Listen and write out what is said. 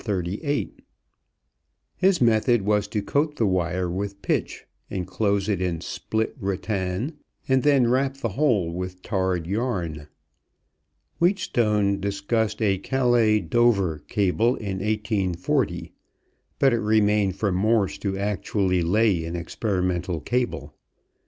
His method was to coat the wire with pitch inclose it in split rattan, and then wrap the whole with tarred yarn. Wheatstone discussed a Calais Dover cable in 1840, but it remained for Morse to actually lay an experimental cable.